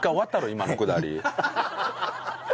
今のくだり。